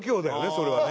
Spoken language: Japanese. それはね。